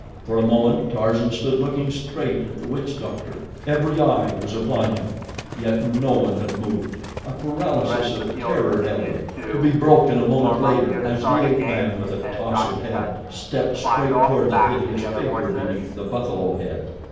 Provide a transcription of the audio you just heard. For a moment Tarzan stood looking straight at the witch doctor. Every eye was upon him, yet no one had moved a paralysis of terror held them, to be broken a moment later as the ape man, with a toss of head, stepped straight toward the hideous figure beneath the buffalo head.